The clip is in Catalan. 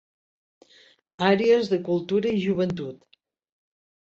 Àrees de Cultura i Joventut.